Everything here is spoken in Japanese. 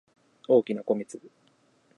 大きな米粒